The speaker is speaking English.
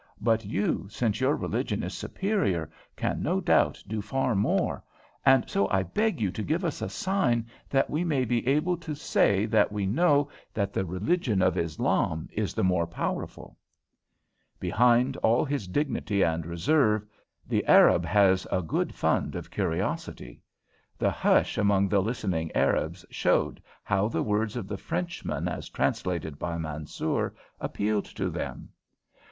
But you, since your religion is superior, can no doubt do far more, and so I beg you to give us a sign that we may be able to say that we know that the religion of Islam is the more powerful." Behind all his dignity and reserve, the Arab has a good fund of curiosity. The hush among the listening Arabs showed how the words of the Frenchman as translated by Mansoor appealed to them.